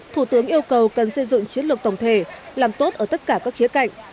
thủ tướng yêu cầu cần xây dựng chiến lược tổng thể làm tốt ở tất cả các khía cạnh